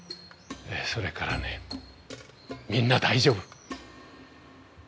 それからねみんな大丈夫！